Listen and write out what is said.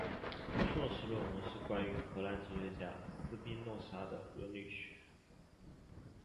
硕士论文是关于荷兰哲学家斯宾诺莎的伦理学。